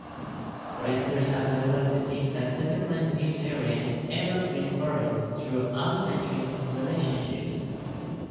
Foresters have developed techniques that determine leaf area in evergreen forests through allometric relationships.